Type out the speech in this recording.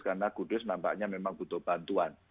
karena kudus nampaknya memang butuh bantuan